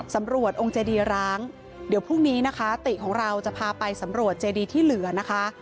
สำรวจองค์เจดีร้างเดี๋ยวพรุ่งนี้นะคะติของเราจะพาไปสำรวจเจดีที่เหลือนะคะ